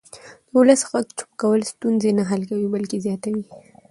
د ولس غږ چوپ کول ستونزې نه حل کوي بلکې زیاتوي